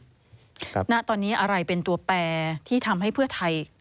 นั่งตอนนี้อะไรเป็นตัวแปรส์ที่ทำให้